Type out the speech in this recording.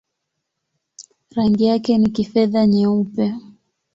Rangi yake ni kifedha-nyeupe.